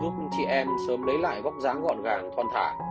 giúp chị em sớm lấy lại vóc dáng gọn gàng thoàn thả